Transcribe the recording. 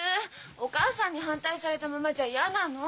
お母さんに反対されたままじゃ嫌なの。